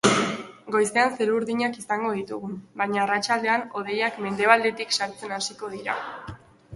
Goizean zeru urdina izango ditugu, baina arratsaldean hodeiak mendebaldetik sartzen hasiko dira.